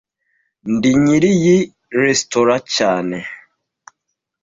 Ndi nyiri iyi resitora cyane